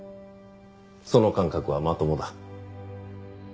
その感覚はまともだ。